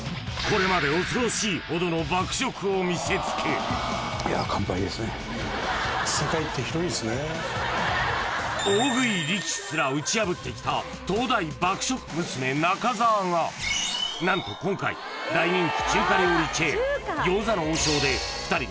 これまで恐ろしいほどの爆食を見せつけ大食い力士すら打ち破ってきた東大爆食娘・中澤が何と今回大人気中華料理チェーン